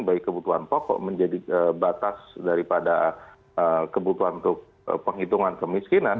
baik kebutuhan pokok menjadi batas daripada kebutuhan untuk penghitungan kemiskinan